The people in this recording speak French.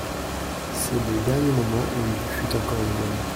C'est le dernier moment où il fut encore lui-même.